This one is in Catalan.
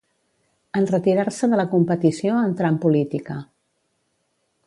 En retirar-se de la competició entrà en política.